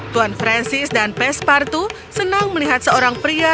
tuan francis dan pes partu senang melihat seorang pria